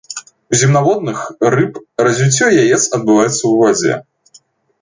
У земнаводных, рыб развіццё яец адбываецца ў вадзе.